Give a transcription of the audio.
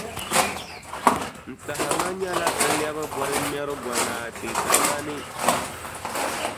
N tahima nyɛla n lɛbi bolŋmɛrʼ gonaate kamani.